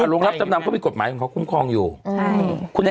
โรงรับจำนำเขามีกฎหมายของเขาคุ้มครองอยู่ใช่